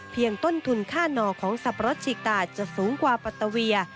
ต้นทุนค่านอของสับปะรดฉีกตาจะสูงกว่าปัตตาเวีย